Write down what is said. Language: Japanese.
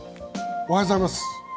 おはようございます。